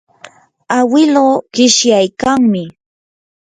awiluu qishyaykanmi.